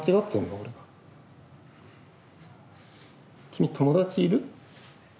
君友達いる？